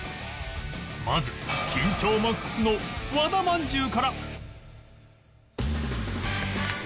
まず緊張 ＭＡＸ の和田まんじゅうから